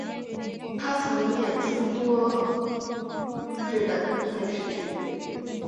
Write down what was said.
她曾演出多出日本电视剧。